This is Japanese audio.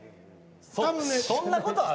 そんなことある？